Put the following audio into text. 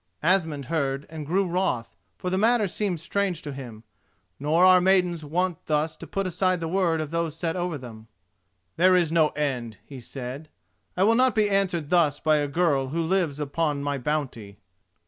Asmund heard and grew wroth, for the matter seemed strange to him; nor are maidens wont thus to put aside the word of those set over them. "There is no end," he said; "I will not be answered thus by a girl who lives upon my bounty.